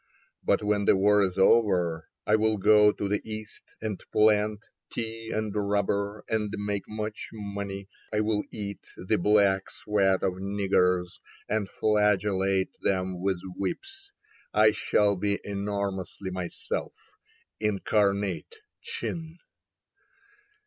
But when the war is over, I will go to the East and plant Tea and rubber, and make much money. I will eat the black sweat of niggers And flagellate them with whips. I shall be enormously myself, Incarnate Chin."